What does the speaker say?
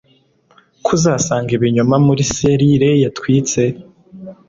Ko uzasanga ibinyoma muri selire yatwitse